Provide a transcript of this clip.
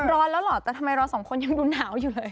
ร้อนแล้วเหรอแต่ทำไมเราสองคนยังดูหนาวอยู่เลย